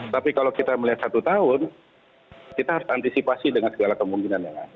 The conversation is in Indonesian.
tapi kalau kita melihat satu tahun kita harus antisipasi dengan segala kemungkinan yang ada